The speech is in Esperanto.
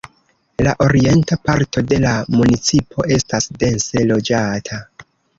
La orienta parto de la municipo estas dense loĝata.